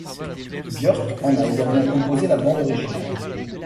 Björk en a également composé la bande originale.